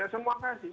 ya semua kasih